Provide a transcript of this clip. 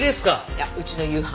いやうちの夕飯。